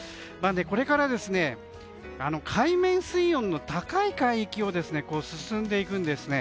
これから、海面水温の高い海域を進んでいくんですね。